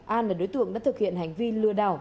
an là đối tượng đã thực hiện hành vi lừa đảo